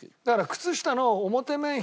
だから靴下の表面。